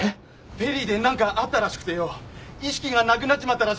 フェリーで何かあったらしくてよ意識がなくなっちまったらしいんだ。